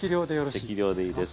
適量でいいです。